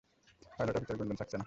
Pilot officer Gunjan Saxena?